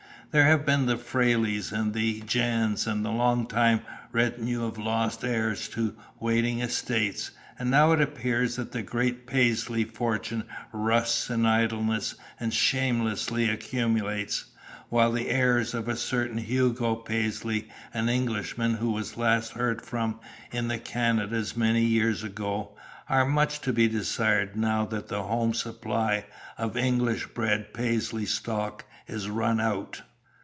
"There have been the Frayles, and the Jans, and a long retinue of lost heirs to waiting estates, and now it appears that the great Paisley fortune rusts in idleness and shamelessly accumulates, while the heirs of a certain Hugo Paisley, an Englishman who was last heard from in the Canadas many years ago, are much to be desired now that the home supply of English bred Paisley stock is run out."